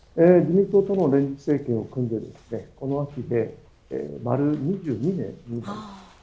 自民党の連立政権を組んで、この秋で丸２２年になります。